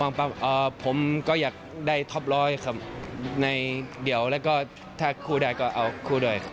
ผมก็อยากได้ท็อปร้อยครับในเดี๋ยวแล้วก็ถ้าคู่ได้ก็เอาคู่ด้วย